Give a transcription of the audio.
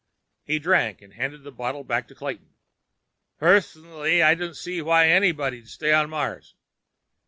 He drank, and handed the bottle back to Clayton. "Pers nally, I don't see why anybody'd stay on Mars.